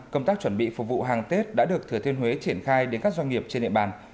các chuẩn bị phục vụ hàng tết đã được thế thiên huế triển khai đến các doanh nghiệp trên địa bàn